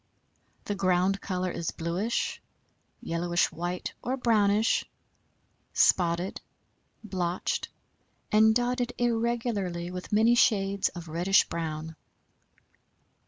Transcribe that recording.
The ground color is bluish, yellowish white or brownish, spotted, blotched and dotted irregularly with many shades of reddish brown.